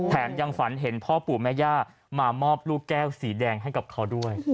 แถมยังฝันเห็นพ่อปู่แม่ย่ามามอบลูกแก้วสีแดงให้กับเขาด้วย